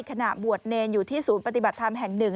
ขณะบวชเนรอยู่ที่ศูนย์ปฏิบัติธรรมแห่งหนึ่ง